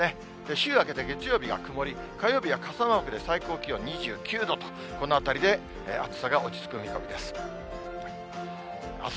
週明けて月曜日が曇り、火曜日が傘マークで、最高気温２９度と、このあたりで暑さが落ち着く見込みです。